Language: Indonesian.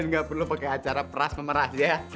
dan gak perlu pakai acara peras memerah ya